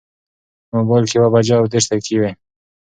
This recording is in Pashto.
په مبایل کې یوه بجه او دېرش دقیقې وې.